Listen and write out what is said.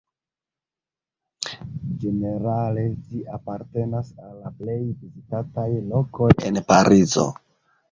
Ĝenerale ĝi apartenas al la plej vizitataj lokoj en Parizo.